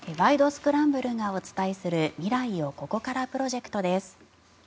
スクランブル」がお伝えする未来をここからプロジェクトです。